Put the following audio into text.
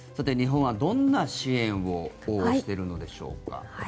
日本はどんな支援をしているのでしょうか。